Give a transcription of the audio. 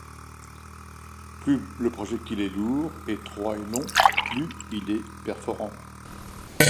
Plus le projectile est lourd, étroit et long, plus il est perforant.